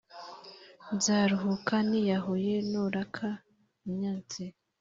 Nzaruhuka niyahuye nuraka unyanze